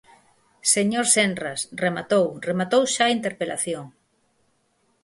Señor Senras, rematou, rematou xa a interpelación.